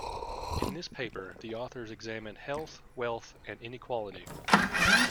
In this paper, the authors examine health, wealth and inequality.